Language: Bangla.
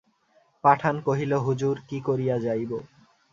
পাঠান কহিল, হুজুর, কী করিয়া যাইব?